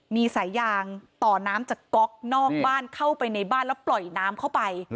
มีสายยางต่อน้ำจากก๊อกนอกบ้านเข้าไปในบ้านแล้วปล่อยน้ำเข้าไป